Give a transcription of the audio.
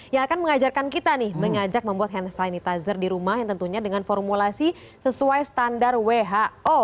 yang akan mengajarkan kita nih mengajak membuat hand sanitizer di rumah yang tentunya dengan formulasi sesuai standar who